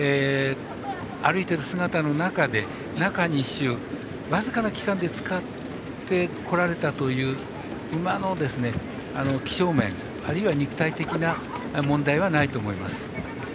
歩いている姿の中で中２週、僅かな期間で使ってこられたという馬の気性面あるいは肉体的な問題はないと思います。